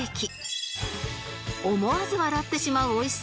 思わず笑ってしまう美味しさ